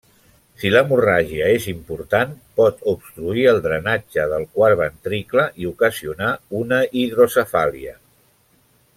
Si l'hemorràgia és important, pot obstruir el drenatge del quart ventricle i ocasionar una hidrocefàlia.